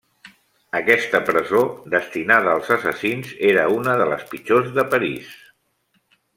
Aquesta presó, destinada als assassins, era una de les pitjors de París.